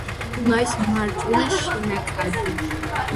დუნაის მარჯვენა შენაკადი.